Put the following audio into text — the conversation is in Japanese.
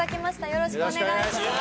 よろしくお願いします